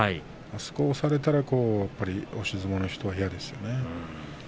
そこを押されたらやっぱり押し相撲の人は嫌ですよね。